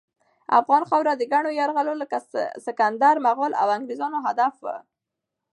افغان خاوره د ګڼو یرغلګرو لکه سکندر، مغل، او انګریزانو هدف وه.